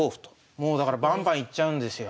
もうだからバンバンいっちゃうんですよ。